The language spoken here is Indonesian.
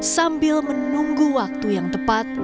sambil menunggu waktu yang tepat